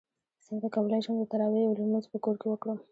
څنګه کولی شم د تراویحو لمونځ په کور کې وکړم